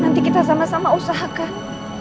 nanti kita sama sama usahakan